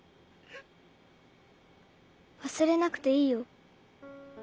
忘れなくていいよ。